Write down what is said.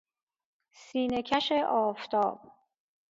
سینه کش آفتاب